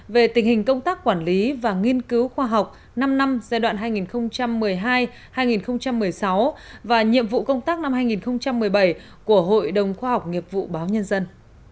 về tình hình công tác quản lý và nghiên cứu khoa học năm năm giai đoạn hai nghìn một mươi hai hai nghìn một mươi sáu và nhiệm vụ công tác năm hai nghìn một mươi bảy của hội đồng khoa học nghiệp vụ báo nhân dân